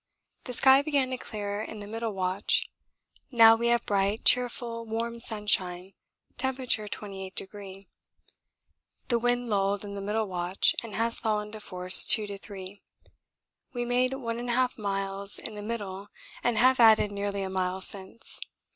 The sky began to clear in the middle watch; now we have bright, cheerful, warm sunshine (temp. 28°). The wind lulled in the middle watch and has fallen to force 2 to 3. We made 1 1/2 miles in the middle and have added nearly a mile since.